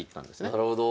なるほど。